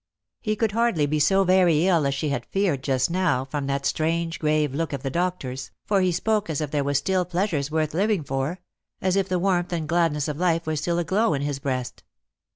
He could hardly be so very ill as she had feared just now from that strange grave look of the doctor's, for he spoke as if there were still pleasures worth living for — as if the warmth and gladness of life were still aglow in his breast.